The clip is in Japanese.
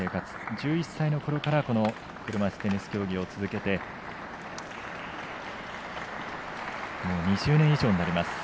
１１歳のころから車いすテニス競技を続けてもう２０年以上になります。